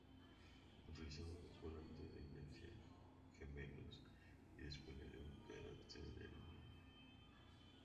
Utilizaba dos volantes de inercia gemelos, y disponía de un cárter de aluminio.